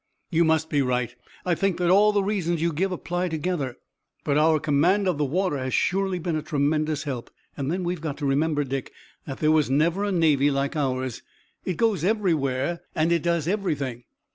"You must be right. I think that all the reasons you give apply together. But our command of the water has surely been a tremendous help. And then we've got to remember, Dick, that there was never a navy like ours. It goes everywhere and it does everything.